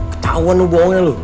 ketahuan lo bohongnya lo